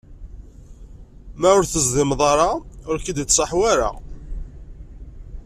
Ma ur teẓdimeḍ ara, ur k-id-ittṣaḥ wara.